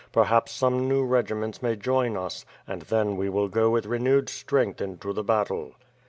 Perhaps some new regiments may join us, and then we will go with renewed strength into the battle."